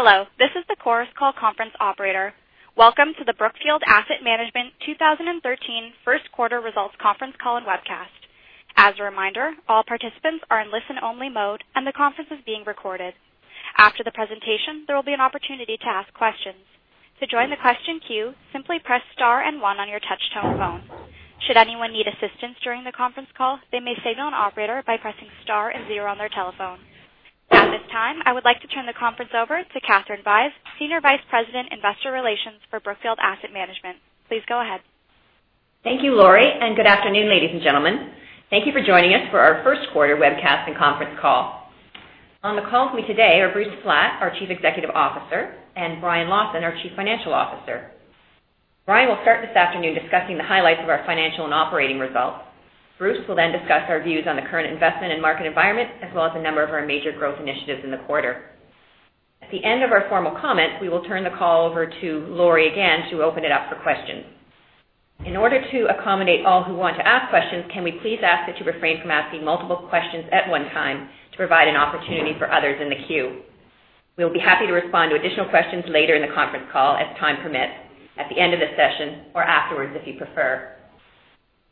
Hello, this is the Chorus Call conference operator. Welcome to the Brookfield Asset Management 2013 first quarter results conference call and webcast. As a reminder, all participants are in listen-only mode, and the conference is being recorded. After the presentation, there will be an opportunity to ask questions. To join the question queue, simply press star and one on your touch-tone phone. Should anyone need assistance during the conference call, they may signal an operator by pressing star and zero on their telephone. At this time, I would like to turn the conference over to Katherine Vyse, Senior Vice President, Investor Relations for Brookfield Asset Management. Please go ahead. Thank you, Laurie. Good afternoon, ladies and gentlemen. Thank you for joining us for our first quarter webcast and conference call. On the call with me today are Bruce Flatt, our Chief Executive Officer, and Brian Lawson, our Chief Financial Officer. Brian will start this afternoon discussing the highlights of our financial and operating results. Bruce will discuss our views on the current investment and market environment, as well as a number of our major growth initiatives in the quarter. At the end of our formal comments, we will turn the call over to Laurie again to open it up for questions. In order to accommodate all who want to ask questions, can we please ask that you refrain from asking multiple questions at one time to provide an opportunity for others in the queue. We'll be happy to respond to additional questions later in the conference call as time permits, at the end of the session, or afterwards if you prefer.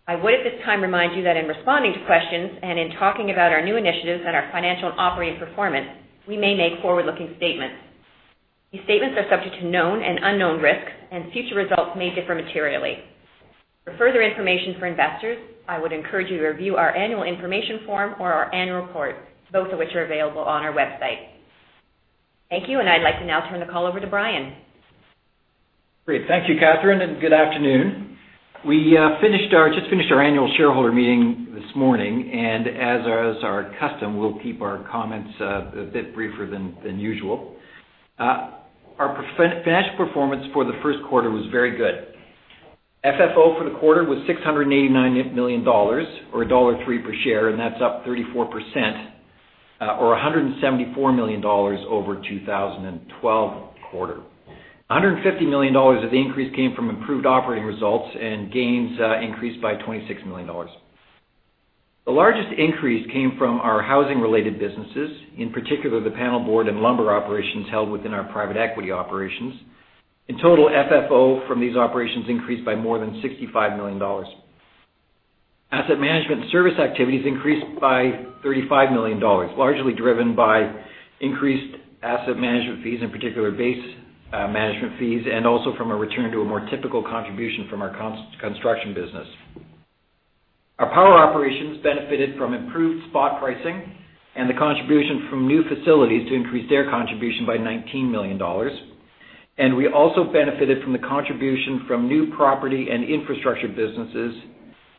I would, at this time, remind you that in responding to questions and in talking about our new initiatives and our financial and operating performance, we may make forward-looking statements. These statements are subject to known and unknown risks, and future results may differ materially. For further information for investors, I would encourage you to review our annual information form or our annual report, both of which are available on our website. Thank you. I'd like to now turn the call over to Brian. Great. Thank you, Katherine. Good afternoon. We just finished our annual shareholder meeting this morning. As is our custom, we'll keep our comments a bit briefer than usual. Our financial performance for the first quarter was very good. FFO for the quarter was $689 million, or $1.03 per share, that's up 34%, or $174 million over 2012 quarter. $150 million of the increase came from improved operating results. Gains increased by $26 million. The largest increase came from our housing-related businesses, in particular, the panelboard and lumber operations held within our private equity operations. In total, FFO from these operations increased by more than $65 million. Asset management service activities increased by $35 million, largely driven by increased asset management fees, in particular base management fees, also from a return to a more typical contribution from our construction business. Our power operations benefited from improved spot pricing and the contribution from new facilities to increase their contribution by $19 million. We also benefited from the contribution from new property and infrastructure businesses,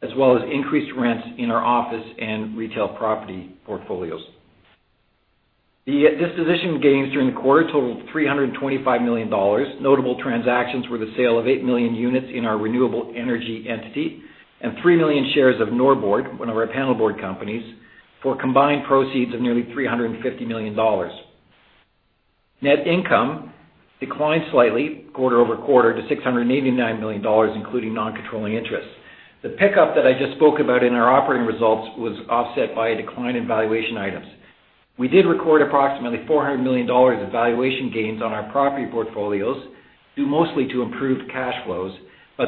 as well as increased rents in our office and retail property portfolios. The disposition gains during the quarter totaled $325 million. Notable transactions were the sale of 8 million units in our renewable energy entity and 3 million shares of Norbord, one of our panelboard companies, for combined proceeds of nearly $350 million. Net income declined slightly quarter-over-quarter to $689 million, including non-controlling interests. The pickup that I just spoke about in our operating results was offset by a decline in valuation items. We did record approximately $400 million of valuation gains on our property portfolios, due mostly to improved cash flows.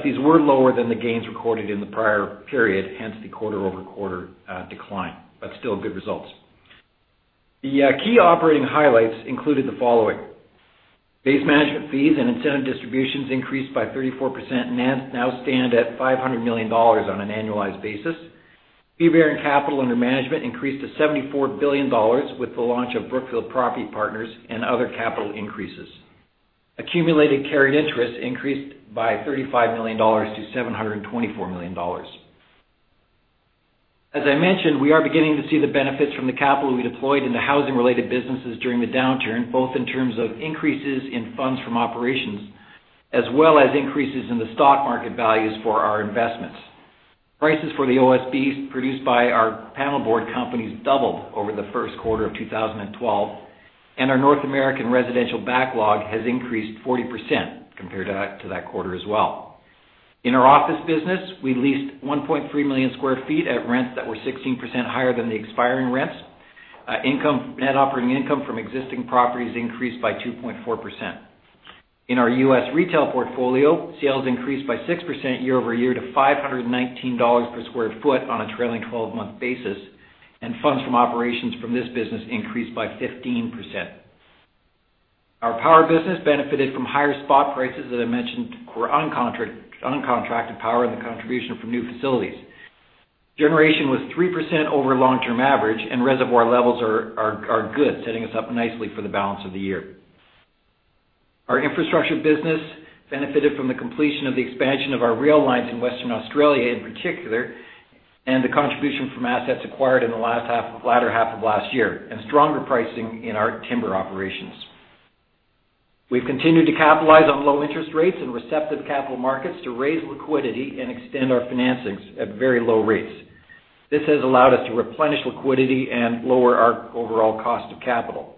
These were lower than the gains recorded in the prior period, hence the quarter-over-quarter decline. Still good results. The key operating highlights included the following. Base management fees and incentive distributions increased by 34% and now stand at $500 million on an annualized basis. Fee-bearing capital under management increased to $74 billion with the launch of Brookfield Property Partners and other capital increases. Accumulated carried interest increased by $35 million to $724 million. As I mentioned, we are beginning to see the benefits from the capital we deployed in the housing-related businesses during the downturn, both in terms of increases in funds from operations, as well as increases in the stock market values for our investments. Prices for the OSBs produced by our panelboard companies doubled over the first quarter of 2012. Our North American residential backlog has increased 40% compared to that quarter as well. In our office business, we leased 1.3 million square feet at rents that were 16% higher than the expiring rents. Net operating income from existing properties increased by 2.4%. In our U.S. retail portfolio, sales increased by 6% year-over-year to $519 per square foot on a trailing 12-month basis, and funds from operations from this business increased by 15%. Our power business benefited from higher spot prices, as I mentioned, for uncontracted power and the contribution from new facilities. Generation was 3% over long-term average. Reservoir levels are good, setting us up nicely for the balance of the year. Our infrastructure business benefited from the completion of the expansion of our rail lines in Western Australia in particular, and the contribution from assets acquired in the latter half of last year, and stronger pricing in our timber operations. We've continued to capitalize on low interest rates and receptive capital markets to raise liquidity and extend our financings at very low rates. This has allowed us to replenish liquidity and lower our overall cost of capital.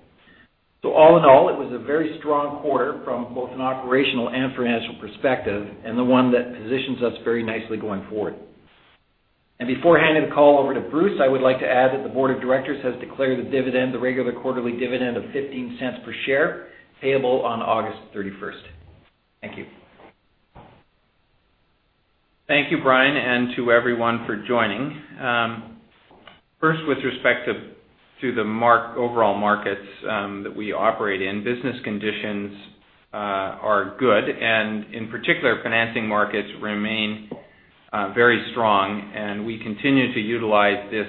All in all, it was a very strong quarter from both an operational and financial perspective, and the one that positions us very nicely going forward. Before I hand the call over to Bruce, I would like to add that the board of directors has declared the regular quarterly dividend of $0.15 per share, payable on August 31st. Thank you. Thank you, Brian, and to everyone for joining. First, with respect to the overall markets that we operate in, business conditions are good. In particular, financing markets remain very strong. We continue to utilize this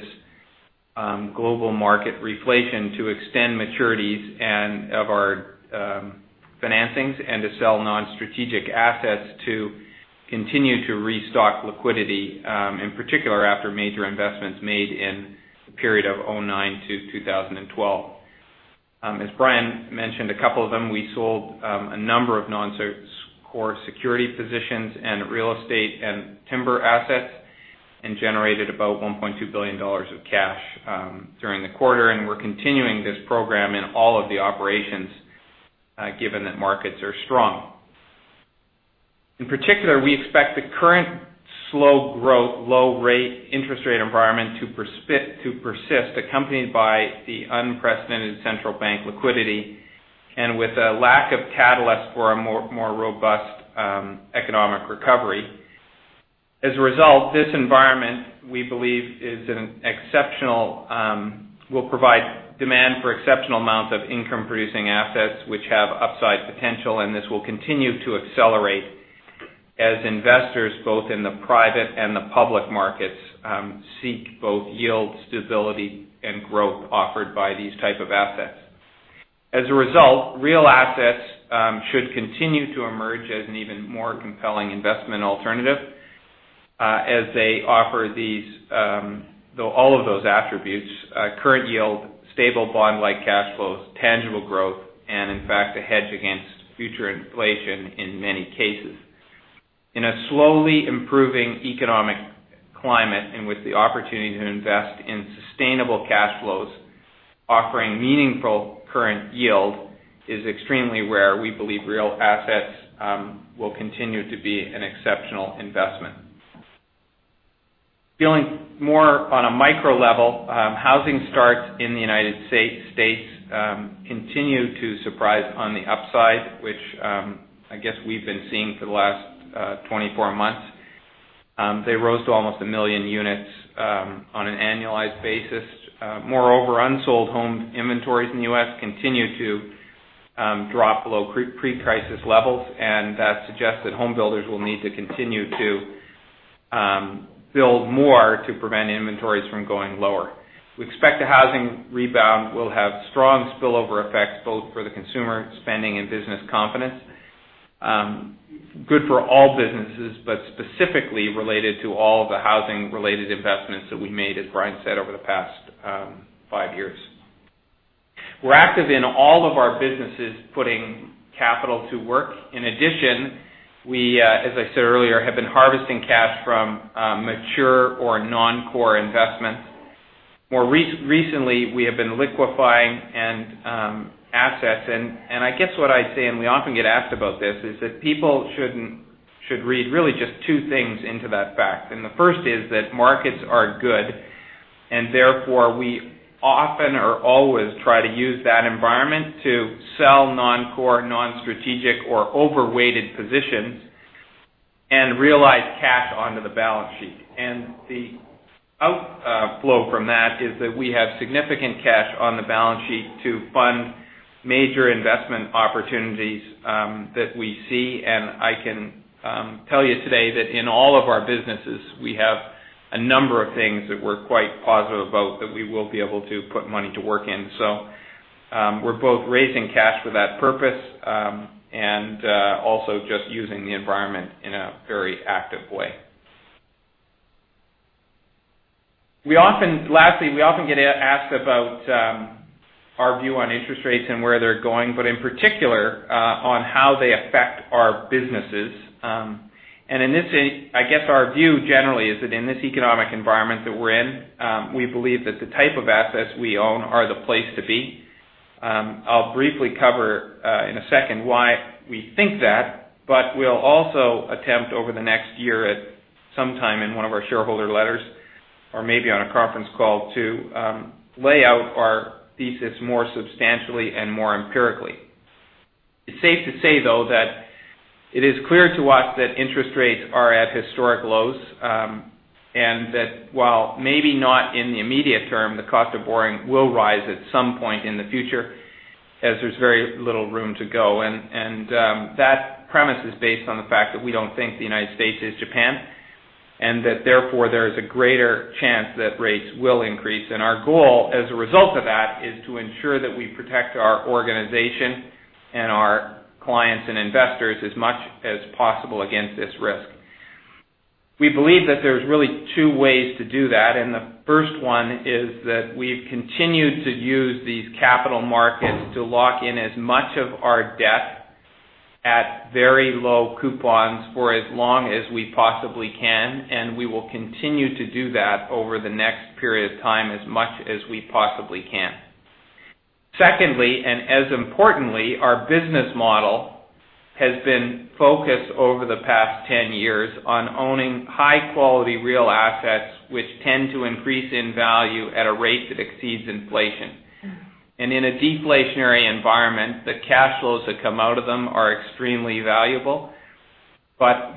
global market reflation to extend maturities of our financings and to sell non-strategic assets to continue to restock liquidity, in particular after major investments made in the period of 2009 to 2012. As Brian mentioned, a couple of them, we sold a number of non-core security positions in real estate and timber assets and generated about $1.2 billion of cash during the quarter. We're continuing this program in all of the operations, given that markets are strong. In particular, we expect the current slow growth, low interest rate environment to persist, accompanied by the unprecedented central bank liquidity and with a lack of catalyst for a more robust economic recovery. As a result, this environment, we believe, will provide demand for exceptional amounts of income-producing assets which have upside potential. This will continue to accelerate as investors, both in the private and the public markets, seek both yield stability and growth offered by these type of assets. As a result, real assets should continue to emerge as an even more compelling investment alternative as they offer all of those attributes. Current yield, stable bond-like cash flows, tangible growth, and in fact, a hedge against future inflation in many cases. In a slowly improving economic climate and with the opportunity to invest in sustainable cash flows, offering meaningful current yield is extremely rare. We believe real assets will continue to be an exceptional investment. Dealing more on a micro level, housing starts in the U.S. continue to surprise on the upside, which I guess we've been seeing for the last 24 months. They rose to almost 1 million units on an annualized basis. Moreover, unsold home inventories in the U.S. continue to drop below pre-crisis levels. That suggests that home builders will need to continue to build more to prevent inventories from going lower. We expect the housing rebound will have strong spillover effects, both for the consumer spending and business confidence. Good for all businesses, but specifically related to all of the housing-related investments that we made, as Brian said, over the past five years. We're active in all of our businesses, putting capital to work. In addition, we, as I said earlier, have been harvesting cash from mature or non-core investments. More recently, we have been liquefying assets. I guess what I'd say, and we often get asked about this, is that people should read really just two things into that fact. The first is that markets are good, and therefore we often or always try to use that environment to sell non-core, non-strategic or overweighted positions and realize cash onto the balance sheet. The outflow from that is that we have significant cash on the balance sheet to fund major investment opportunities that we see. I can tell you today that in all of our businesses, we have a number of things that we're quite positive about that we will be able to put money to work in. We're both raising cash for that purpose, and also just using the environment in a very active way. Lastly, we often get asked about our view on interest rates and where they're going, but in particular, on how they affect our businesses. I guess our view generally is that in this economic environment that we're in, we believe that the type of assets we own are the place to be. I'll briefly cover in a second why we think that, but we'll also attempt over the next year at some time in one of our shareholder letters or maybe on a conference call to lay out our thesis more substantially and more empirically. It's safe to say, though, that it is clear to us that interest rates are at historic lows. That while maybe not in the immediate term, the cost of borrowing will rise at some point in the future as there's very little room to go. That premise is based on the fact that we don't think the United States is Japan, and that therefore there is a greater chance that rates will increase. Our goal as a result of that is to ensure that we protect our organization and our clients and investors as much as possible against this risk. We believe that there's really two ways to do that, and the first one is that we've continued to use these capital markets to lock in as much of our debt at very low coupons for as long as we possibly can. We will continue to do that over the next period of time as much as we possibly can. Secondly, and as importantly, our business model has been focused over the past 10 years on owning high-quality real assets, which tend to increase in value at a rate that exceeds inflation. In a deflationary environment, the cash flows that come out of them are extremely valuable.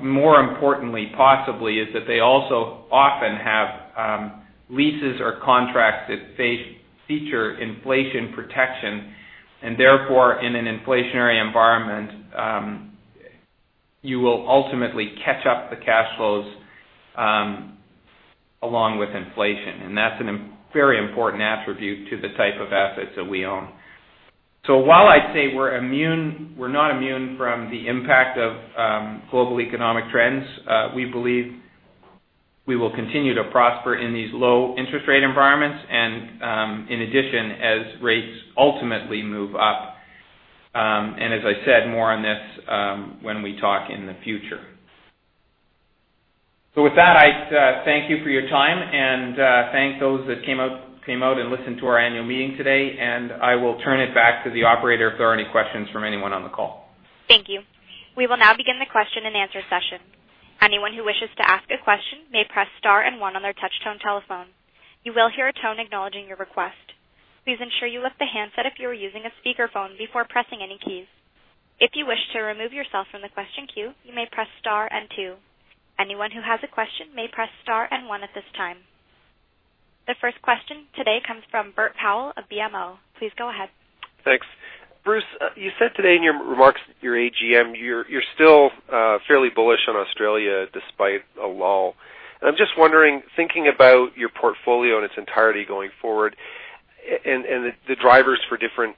More importantly, possibly, is that they also often have leases or contracts that feature inflation protection, and therefore, in an inflationary environment, you will ultimately catch up the cash flows along with inflation. That's a very important attribute to the type of assets that we own. While I'd say we're not immune from the impact of global economic trends, we believe we will continue to prosper in these low interest rate environments and, in addition, as rates ultimately move up. As I said, more on this when we talk in the future. With that, I thank you for your time and thank those that came out and listened to our annual meeting today, I will turn it back to the operator if there are any questions from anyone on the call. Thank you. We will now begin the question and answer session. Anyone who wishes to ask a question may press star and one on their touch-tone telephone. You will hear a tone acknowledging your request. Please ensure you lift the handset if you are using a speakerphone before pressing any keys. If you wish to remove yourself from the question queue, you may press star and two. Anyone who has a question may press star and one at this time. The first question today comes from Bert Powell of BMO. Please go ahead. Thanks. Bruce, you said today in your remarks at your AGM, you're still fairly bullish on Australia despite a lull. I'm just wondering, thinking about your portfolio in its entirety going forward and the drivers for different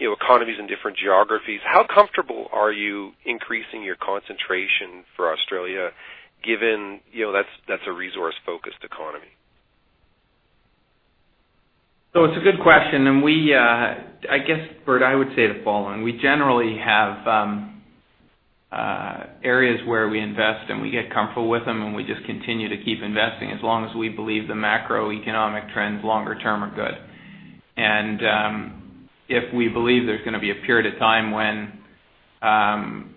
economies and different geographies, how comfortable are you increasing your concentration for Australia, given that's a resource-focused economy? It's a good question, and I guess, Bert, I would say the following. We generally have areas where we invest, and we get comfortable with them, and we just continue to keep investing as long as we believe the macroeconomic trends longer term are good. If we believe there's going to be a period of time when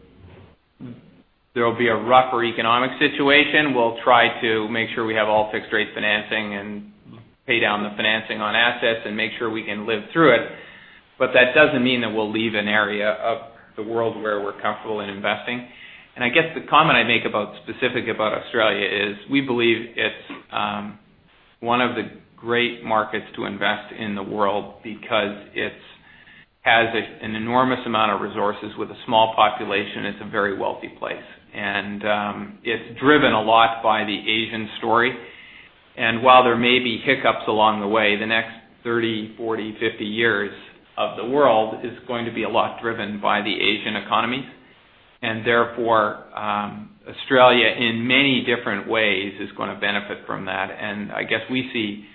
there'll be a rougher economic situation, we'll try to make sure we have all fixed rate financing and pay down the financing on assets and make sure we can live through it. That doesn't mean that we'll leave an area of the world where we're comfortable in investing. I guess the comment I make specific about Australia is we believe it's one of the great markets to invest in the world because it has an enormous amount of resources with a small population. It's a very wealthy place. It's driven a lot by the Asian story. While there may be hiccups along the way, the next 30, 40, 50 years of the world is going to be a lot driven by the Asian economy. Therefore, Australia, in many different ways, is going to benefit from that. I guess we see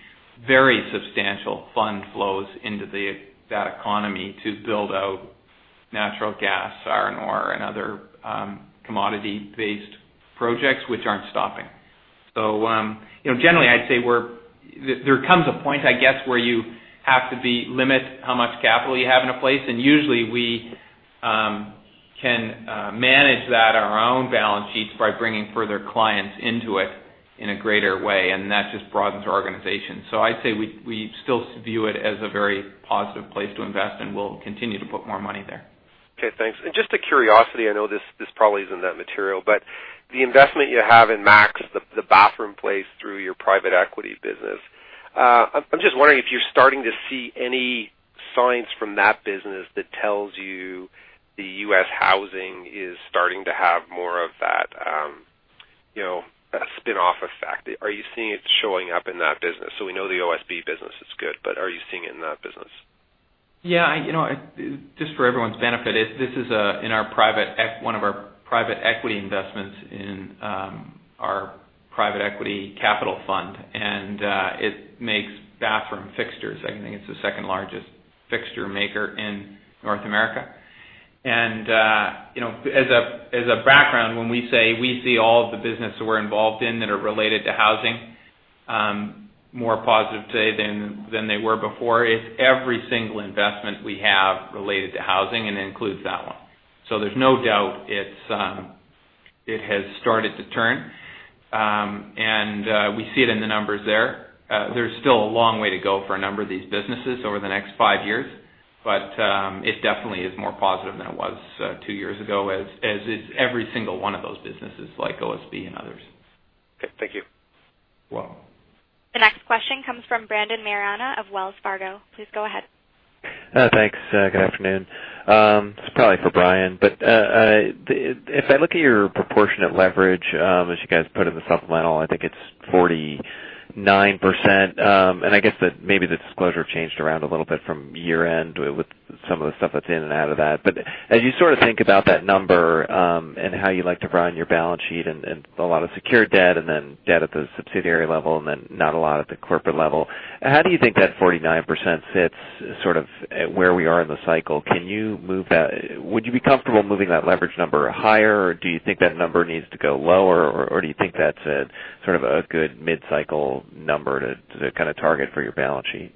very substantial fund flows into that economy to build out natural gas, iron ore, and other commodity-based projects which aren't stopping. Generally, I'd say there comes a point, I guess, where you have to limit how much capital you have in a place, and usually we can manage that on our own balance sheets by bringing further clients into it in a greater way, and that just broadens our organization. I'd say we still view it as a very positive place to invest, and we'll continue to put more money there. Just a curiosity, I know this probably is in that material, but the investment you have in Masco, the bathroom place through your private equity business. I'm just wondering if you're starting to see any signs from that business that tells you the U.S. housing is starting to have more of that spin-off effect. Are you seeing it showing up in that business? We know the OSB business is good, but are you seeing it in that business? Yeah. Just for everyone's benefit, this is one of our private equity investments in our private equity capital fund, and it makes bathroom fixtures. I think it's the second largest fixture maker in North America. As a background, when we say we see all of the business that we're involved in that are related to housing more positive today than they were before, it's every single investment we have related to housing, and it includes that one. There's no doubt it has started to turn. We see it in the numbers there. There's still a long way to go for a number of these businesses over the next five years, but it definitely is more positive than it was two years ago, as is every single one of those businesses like OSB and others. Okay. Thank you. You're welcome. The next question comes from Brendan Maiorana of Wells Fargo. Please go ahead. Thanks. Good afternoon. This is probably for Brian. If I look at your proportionate leverage as you guys put in the supplemental, I think it's 49%. I guess that maybe the disclosure changed around a little bit from year-end with some of the stuff that's in and out of that. As you sort of think about that number and how you like to run your balance sheet and a lot of secured debt and then debt at the subsidiary level and then not a lot at the corporate level, how do you think that 49% fits sort of where we are in the cycle? Would you be comfortable moving that leverage number higher, or do you think that number needs to go lower, or do you think that's sort of a good mid-cycle number to kind of target for your balance sheet?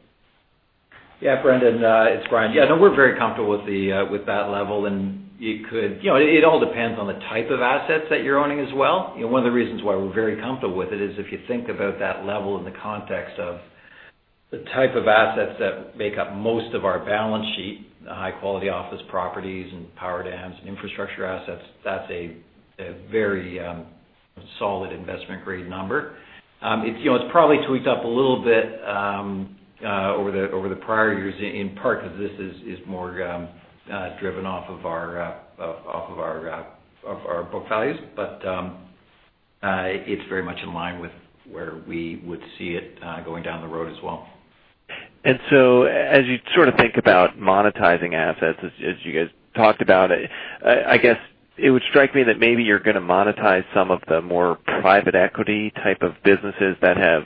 Yeah, Brendan, it's Brian. Yeah, no, we're very comfortable with that level. It all depends on the type of assets that you're owning as well. One of the reasons why we're very comfortable with it is if you think about that level in the context of the type of assets that make up most of our balance sheet, the high-quality office properties and power dams and infrastructure assets, that's a very solid investment-grade number. It's probably tweaked up a little bit over the prior years, in part because this is more driven off of our book values. It's very much in line with where we would see it going down the road as well. As you sort of think about monetizing assets, as you guys talked about it, I guess it would strike me that maybe you're going to monetize some of the more private equity type of businesses that have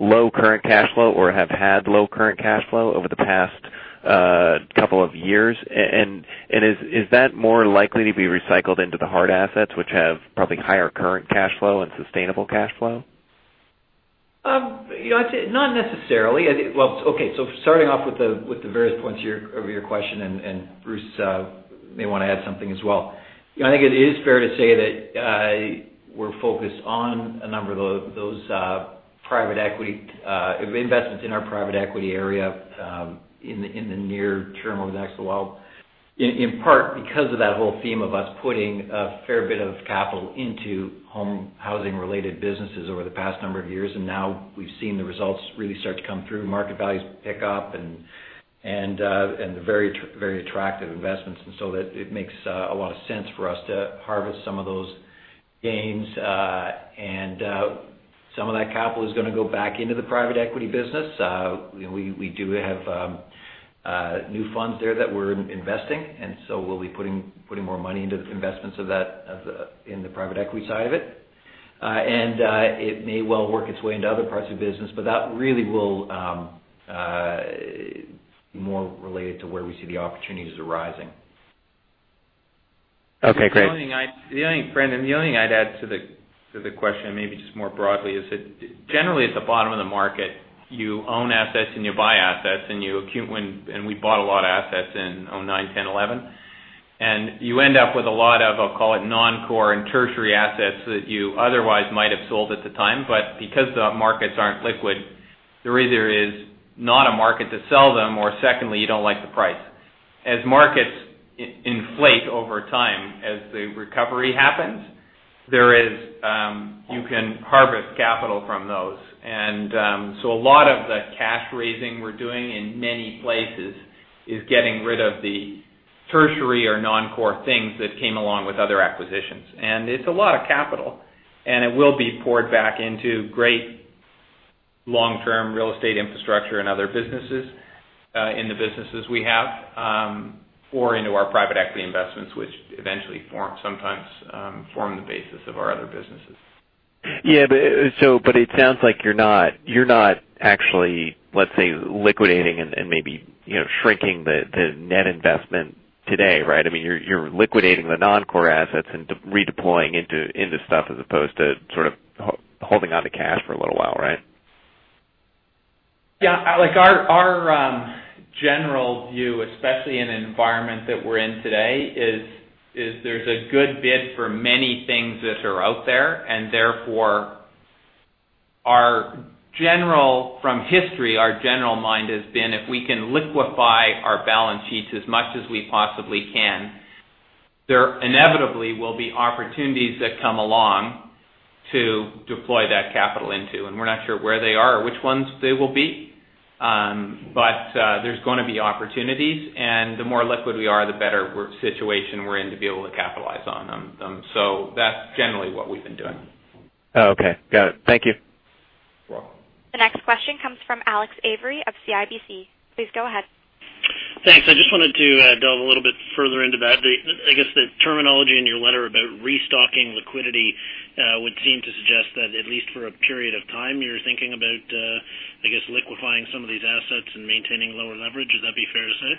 low current cash flow or have had low current cash flow over the past couple of years. Is that more likely to be recycled into the hard assets, which have probably higher current cash flow and sustainable cash flow? I'd say not necessarily. Starting off with the various points of your question, and Bruce may want to add something as well. I think it is fair to say that we're focused on a number of those private equity investments in our private equity area in the near term, over the next little while, in part because of that whole theme of us putting a fair bit of capital into home housing-related businesses over the past number of years. Now we've seen the results really start to come through. Market values pick up and very attractive investments. It makes a lot of sense for us to harvest some of those gains. Some of that capital is going to go back into the private equity business. We do have new funds there that we're investing, we'll be putting more money into the investments in the private equity side of it. It may well work its way into other parts of the business, but that really will be more related to where we see the opportunities arising. Okay, great. The only thing, Brendan, I'd add to the question, maybe just more broadly, is that generally at the bottom of the market, you own assets and you buy assets. We bought a lot of assets in 2009, 2010, 2011. You end up with a lot of, I'll call it non-core and tertiary assets that you otherwise might have sold at the time. Because the markets aren't liquid, there either is not a market to sell them, or secondly, you don't like the price. As markets inflate over time, as the recovery happens, you can harvest capital from those. A lot of the cash raising we're doing in many places is getting rid of the tertiary or non-core things that came along with other acquisitions. It's a lot of capital, and it will be poured back into great long-term real estate infrastructure and other businesses in the businesses we have or into our private equity investments, which eventually sometimes form the basis of our other businesses. Yeah. It sounds like you're not actually, let's say, liquidating and maybe shrinking the net investment today, right? You're liquidating the non-core assets and redeploying into stuff as opposed to sort of holding onto cash for a little while, right? Yeah. Our general view, especially in an environment that we're in today, is there's a good bid for many things that are out there, and therefore from history, our general mind has been, if we can liquefy our balance sheets as much as we possibly can, there inevitably will be opportunities that come along to deploy that capital into, and we're not sure where they are or which ones they will be. There's going to be opportunities, and the more liquid we are, the better situation we're in to be able to capitalize on them. That's generally what we've been doing. Oh, okay. Got it. Thank you. You're welcome. The next question comes from Alex Avery of CIBC. Please go ahead. Thanks. I just wanted to delve a little bit further into that. I guess the terminology in your letter about restocking liquidity would seem to suggest that at least for a period of time, you're thinking about I guess liquefying some of these assets and maintaining lower leverage. Would that be fair to say?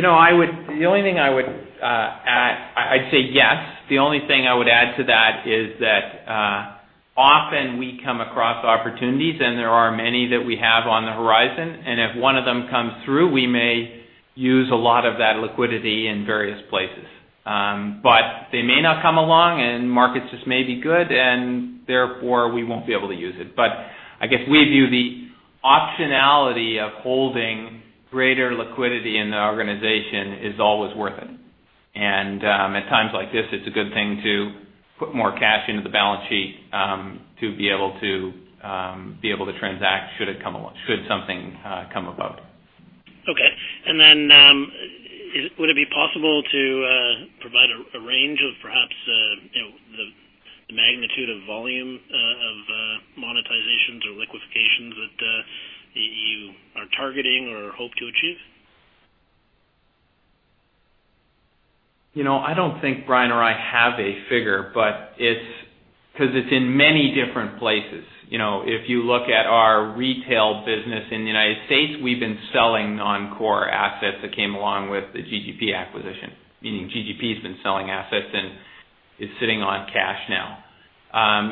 The only thing I would add, I'd say yes. The only thing I would add to that is that often we come across opportunities, and there are many that we have on the horizon, and if one of them comes through, we may use a lot of that liquidity in various places. They may not come along, and markets just may be good, and therefore we won't be able to use it. I guess we view the optionality of holding greater liquidity in the organization is always worth it. At times like this, it's a good thing to put more cash into the balance sheet to be able to transact, should something come about. Okay. Would it be possible to provide a range of perhaps the magnitude of volume of monetizations or liquidations that you are targeting or hope to achieve? I don't think Brian or I have a figure. Because it's in many different places. If you look at our retail business in the U.S., we've been selling non-core assets that came along with the GGP acquisition, meaning GGP has been selling assets and is sitting on cash now.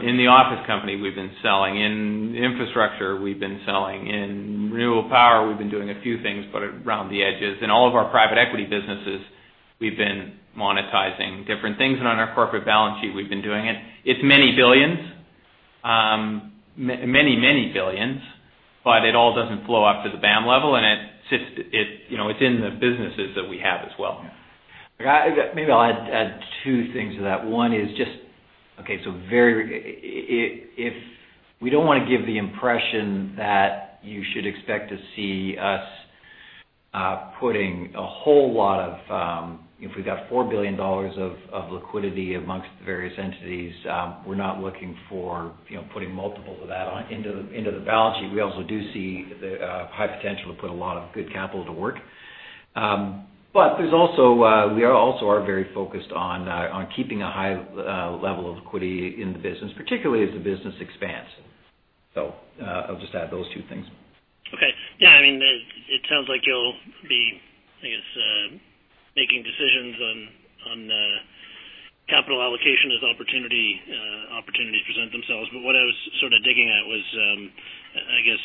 In the office company, we've been selling. In infrastructure, we've been selling. In renewable power, we've been doing a few things, but around the edges. In all of our private equity businesses, we've been monetizing different things. On our corporate balance sheet, we've been doing it. It's many billions. Many, many billions, but it all doesn't flow up to the BAM level, and it sits within the businesses that we have as well. Yeah. Maybe I'll add two things to that. One is just, we don't want to give the impression that you should expect to see us. If we've got $4 billion of liquidity amongst the various entities, we're not looking for putting multiples of that into the balance sheet. We also do see the high potential to put a lot of good capital to work. We also are very focused on keeping a high level of equity in the business, particularly as the business expands. I'll just add those two things. Okay. Yeah, it sounds like you'll be, I guess, making decisions on capital allocation as opportunities present themselves. What I was sort of digging at was, I guess,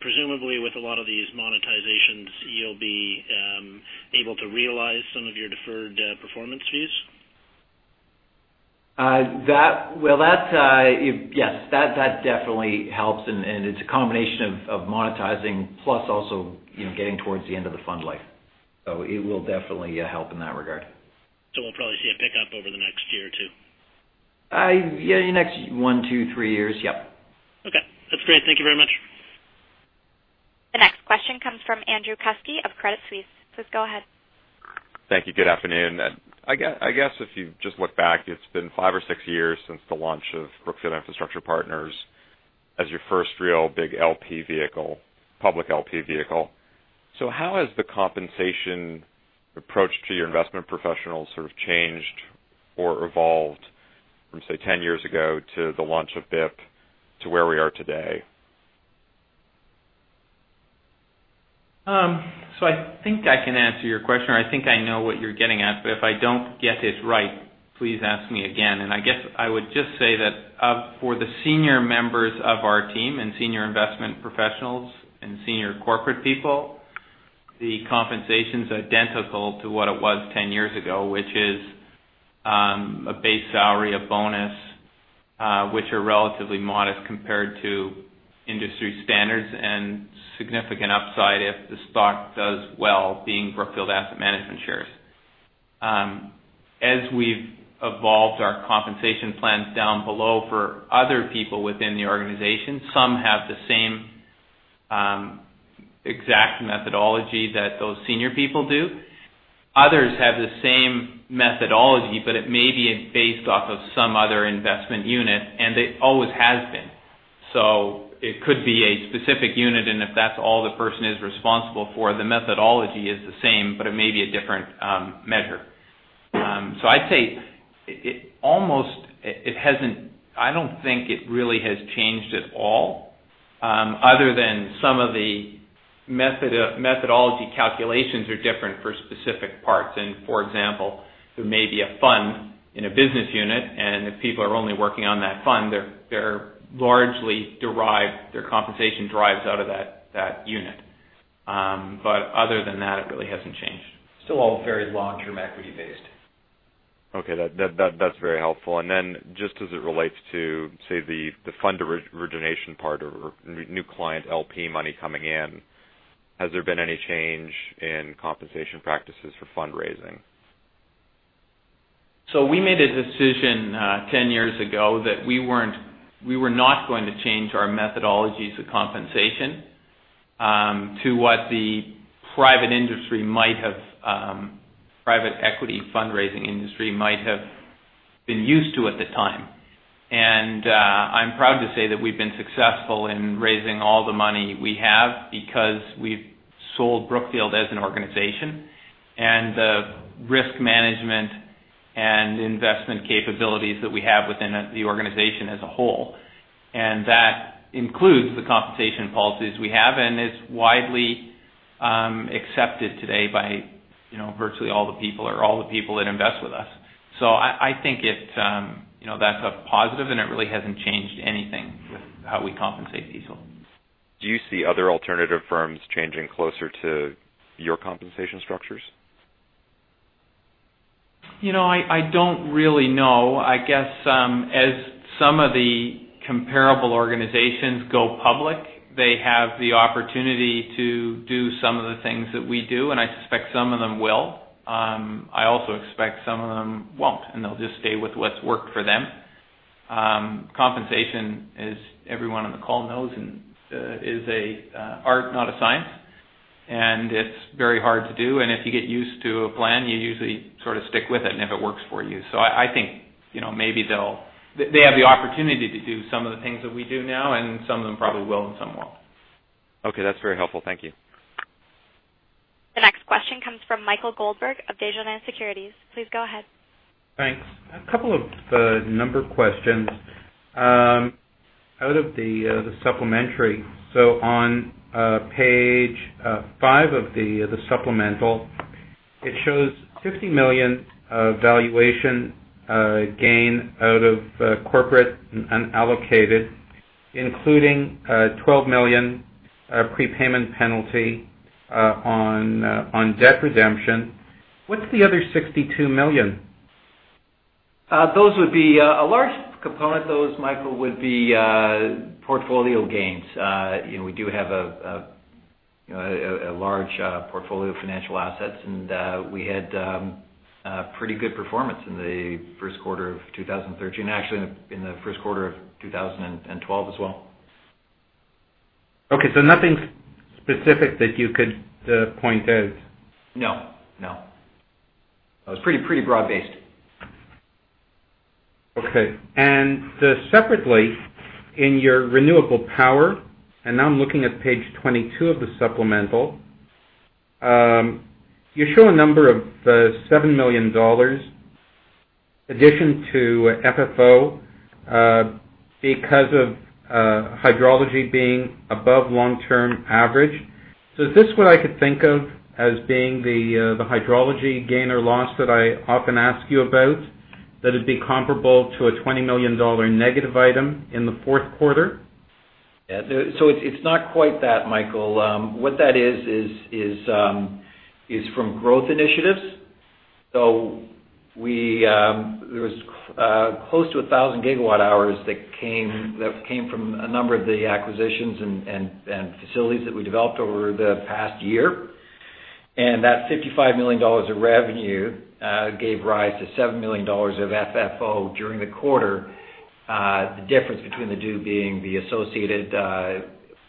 presumably with a lot of these monetizations, you'll be able to realize some of your deferred performance fees? Yes. That definitely helps, and it's a combination of monetizing plus also getting towards the end of the fund life. It will definitely help in that regard. We'll probably see a pickup over the next year or two? Yeah, next one, two, three years. Yep. Okay. That's great. Thank you very much. The next question comes from Andrew Kuske of Credit Suisse. Please go ahead. Thank you. Good afternoon. I guess if you just look back, it's been five or six years since the launch of Brookfield Infrastructure Partners as your first real big LP vehicle, public LP vehicle. How has the compensation approach to your investment professionals sort of changed or evolved from, say, 10 years ago to the launch of BIP, to where we are today? I think I can answer your question, or I think I know what you're getting at, but if I don't get it right, please ask me again. I guess I would just say that for the senior members of our team and senior investment professionals and senior corporate people, the compensation's identical to what it was 10 years ago, which is a base salary, a bonus, which are relatively modest compared to industry standards, and significant upside if the stock does well, being Brookfield Asset Management shares. As we've evolved our compensation plans down below for other people within the organization, some have the same exact methodology that those senior people do. Others have the same methodology, but it may be based off of some other investment unit, and it always has been. It could be a specific unit, and if that's all the person is responsible for, the methodology is the same, but it may be a different measure. I'd say, I don't think it really has changed at all, other than some of the methodology calculations are different for specific parts. For example, there may be a fund in a business unit, and if people are only working on that fund, their compensation derives out of that unit. Other than that, it really hasn't changed. Still all very long-term equity based. That's very helpful. Just as it relates to, say, the fund origination part or new client LP money coming in, has there been any change in compensation practices for fundraising? We made a decision 10 years ago that we were not going to change our methodologies of compensation to what the private equity fundraising industry might have been used to at the time. I'm proud to say that we've been successful in raising all the money we have because we've sold Brookfield as an organization, and the risk management and investment capabilities that we have within the organization as a whole. That includes the compensation policies we have, and it's widely accepted today by virtually all the people or all the people that invest with us. I think that's a positive, and it really hasn't changed anything with how we compensate people. Do you see other alternative firms changing closer to your compensation structures? I don't really know. I guess, as some of the comparable organizations go public, they have the opportunity to do some of the things that we do, and I suspect some of them will. I also expect some of them won't, and they'll just stay with what's worked for them. Compensation, as everyone on the call knows, is an art, not a science. It's very hard to do. If you get used to a plan, you usually sort of stick with it and if it works for you. I think they have the opportunity to do some of the things that we do now, and some of them probably will and some won't. Okay. That's very helpful. Thank you. The next question comes from Michael Goldberg of Desjardins Securities. Please go ahead. Thanks. A couple of number questions. Out of the supplementary. On page five of the supplemental, it shows $50 million valuation gain out of corporate and unallocated, including $12 million prepayment penalty on debt redemption. What's the other $62 million? A large component of those, Michael, would be portfolio gains. We do have a large portfolio of financial assets, and we had pretty good performance in the first quarter of 2013. Actually, in the first quarter of 2012 as well. Okay. Nothing specific that you could point out. No. It was pretty broad-based. Okay. Separately, in your renewable power, now I'm looking at page 22 of the supplemental. You show a number of $7 million addition to FFO because of hydrology being above long-term average. Is this what I could think of as being the hydrology gain or loss that I often ask you about, that'd be comparable to a $20 million negative item in the fourth quarter? It's not quite that, Michael. What that is from growth initiatives. There was close to 1,000 gigawatt hours that came from a number of the acquisitions and facilities that we developed over the past year. That $55 million of revenue gave rise to $7 million of FFO during the quarter. The difference between the two being the associated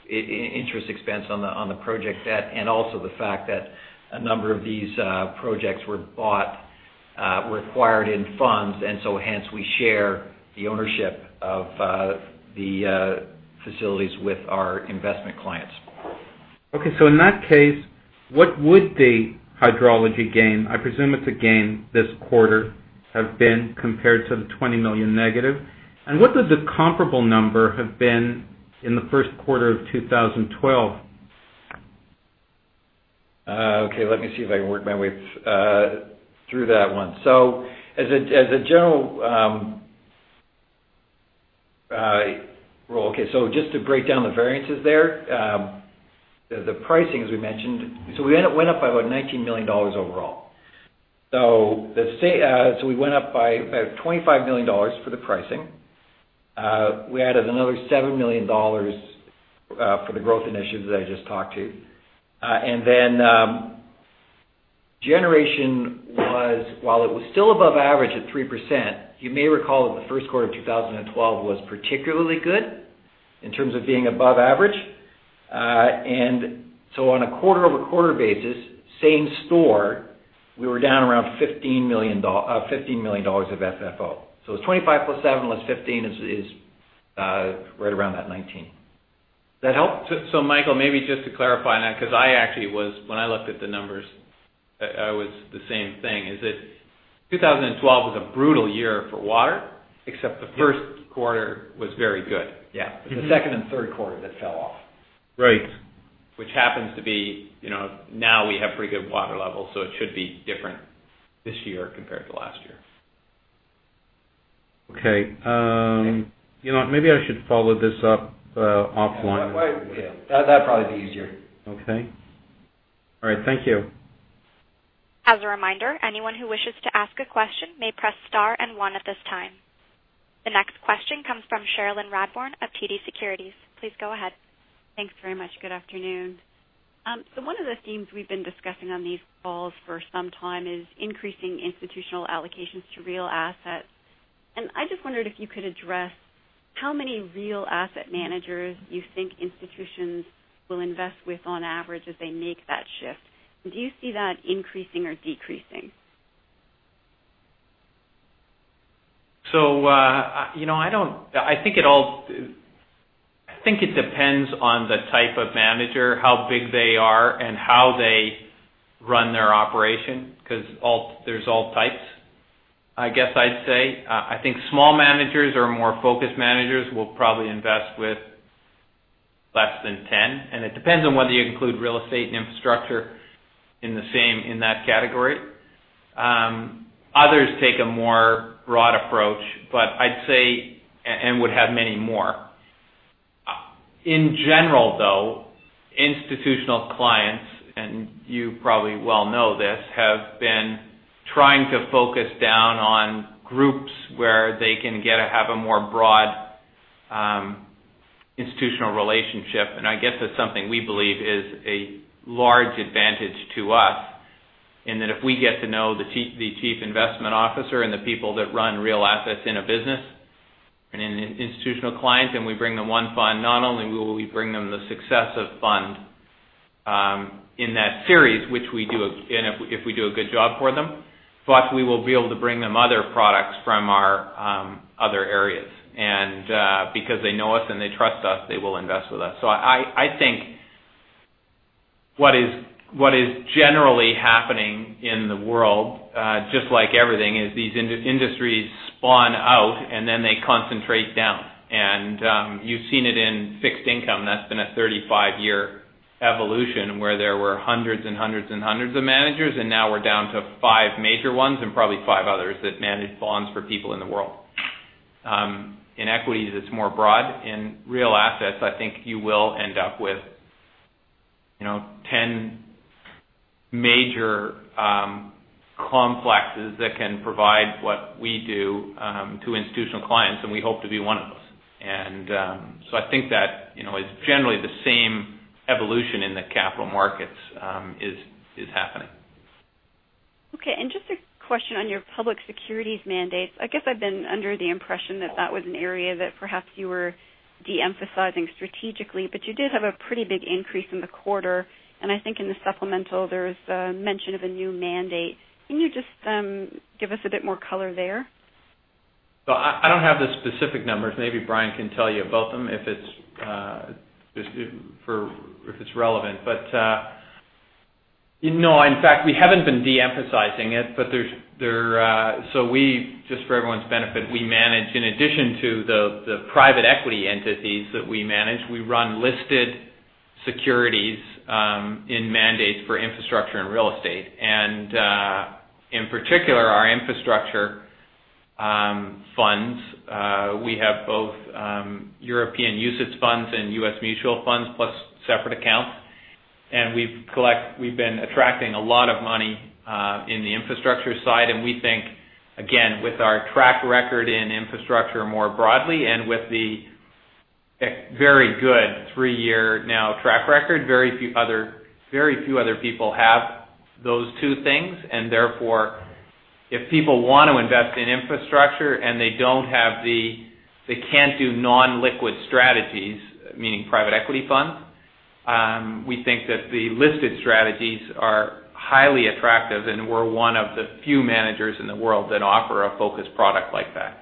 interest expense on the project debt, also the fact that a number of these projects were bought required in funds. Hence, we share the ownership of the facilities with our investment clients. Okay. In that case, what would the hydrology gain, I presume it's a gain this quarter, have been compared to the $20 million negative? What would the comparable number have been in the first quarter of 2012? Okay. Let me see if I can work my way through that one. Just to break down the variances there. The pricing, as we mentioned. We went up by about $19 million overall. We went up by about $25 million for the pricing. We added another $7 million for the growth initiatives that I just talked to. Then generation was, while it was still above average at 3%, you may recall that the first quarter of 2012 was particularly good in terms of being above average. On a quarter-over-quarter basis, same store, we were down around $15 million of FFO. It's 25 plus seven less 15 is right around that 19. That help? Michael, maybe just to clarify that, because when I looked at the numbers, I was the same thing. Is that 2012 was a brutal year for water- Yeah Except the first quarter was very good. Yeah. It's the second and third quarter that fell off. Right. Which happens to be, now we have pretty good water levels, so it should be different this year compared to last year. Okay. Maybe I should follow this up offline. Yeah. That'd probably be easier. Okay. All right. Thank you. As a reminder, anyone who wishes to ask a question may press star and one at this time. The next question comes from Cherilyn Radbourne of TD Securities. Please go ahead. Thanks very much. Good afternoon. One of the themes we've been discussing on these calls for some time is increasing institutional allocations to real assets. I just wondered if you could address how many real asset managers you think institutions will invest with on average as they make that shift. Do you see that increasing or decreasing? I think it depends on the type of manager, how big they are, and how they run their operation, because there's all types, I guess I'd say. I think small managers or more focused managers will probably invest with less than 10. It depends on whether you include real estate and infrastructure in that category. Others take a more broad approach. I'd say, and would have many more. In general, though, institutional clients, and you probably well know this, have been trying to focus down on groups where they can have a more broad institutional relationship. I guess that's something we believe is a large advantage to us, in that if we get to know the Chief Investment Officer and the people that run real assets in a business, and institutional clients, and we bring them one fund, not only will we bring them the success of fund in that series. Which we do, if we do a good job for them. We will be able to bring them other products from our other areas. Because they know us and they trust us, they will invest with us. I think. What is generally happening in the world, just like everything, is these industries spawn out and then they concentrate down. You've seen it in fixed income. That's been a 35-year evolution where there were hundreds and hundreds and hundreds of managers, and now we're down to five major ones and probably five others that manage bonds for people in the world. In equities, it's more broad. In real assets, I think you will end up with 10 major complexes that can provide what we do to institutional clients, and we hope to be one of those. I think that it's generally the same evolution in the capital markets is happening. Okay. Just a question on your public securities mandates. I guess I've been under the impression that that was an area that perhaps you were de-emphasizing strategically, but you did have a pretty big increase in the quarter, and I think in the supplemental, there's a mention of a new mandate. Can you just give us a bit more color there? I don't have the specific numbers. Maybe Brian Lawson can tell you about them if it's relevant. No, in fact, we haven't been de-emphasizing it. Just for everyone's benefit, in addition to the private equity entities that we manage, we run listed securities in mandates for infrastructure and real estate. In particular, our infrastructure funds, we have both European UCITS funds and U.S. mutual funds, plus separate accounts. We've been attracting a lot of money in the infrastructure side. We think, again, with our track record in infrastructure more broadly and with the very good three-year now track record, very few other people have those two things. Therefore, if people want to invest in infrastructure and they can't do non-liquid strategies, meaning private equity funds, we think that the listed strategies are highly attractive, and we're one of the few managers in the world that offer a focused product like that.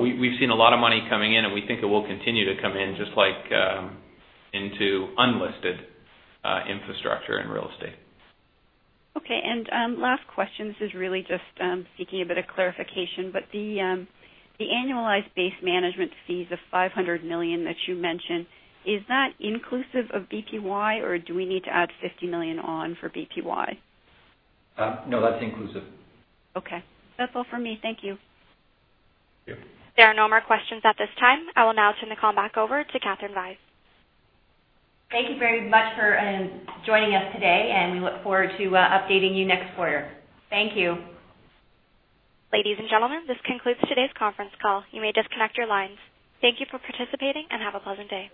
We've seen a lot of money coming in, and we think it will continue to come in, just like into unlisted infrastructure and real estate. Okay. Last question, this is really just seeking a bit of clarification, the annualized base management fees of $500 million that you mentioned, is that inclusive of BPY, or do we need to add $50 million on for BPY? No, that's inclusive. Okay. That's all for me. Thank you. Yeah. There are no more questions at this time. I will now turn the call back over to Katherine Vyse. Thank you very much for joining us today, and we look forward to updating you next quarter. Thank you. Ladies and gentlemen, this concludes today's conference call. You may disconnect your lines. Thank you for participating and have a pleasant day.